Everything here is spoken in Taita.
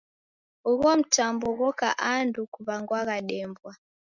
Ugho mtambo ghoka andu kuw'angwagha Dembwa.